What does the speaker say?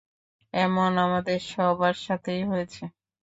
এমন আমাদের সবার সাথেই হয়েছে।